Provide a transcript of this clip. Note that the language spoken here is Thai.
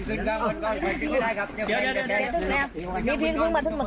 เอ้าเอ้า